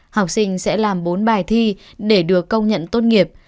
học sinh sẽ làm bốn bài thi để được công nhận tốt nghiệp